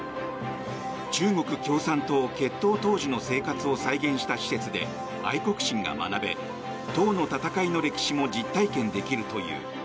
中国共産党結党当時の生活を再現した施設で愛国心が学べ、党の戦いの歴史も実体験できるという。